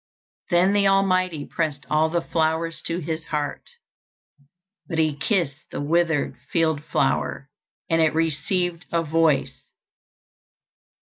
Then the Almighty pressed all the flowers to His heart; but He kissed the withered field flower, and it received a voice.